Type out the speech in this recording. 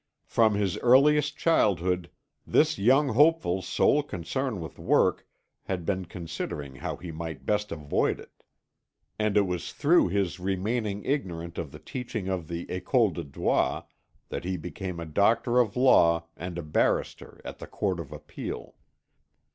From his earliest childhood this young hopeful's sole concern with work had been considering how he might best avoid it, and it was through his remaining ignorant of the teaching of the École de Droit that he became a doctor of law and a barrister at the Court of Appeal.